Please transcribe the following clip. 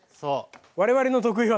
我々の得意技。